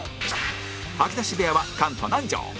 吐き出し部屋は菅と南條